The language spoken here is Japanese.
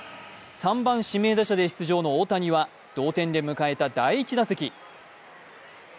３番・指名打者で出場の大谷は同点で迎えた第１打席。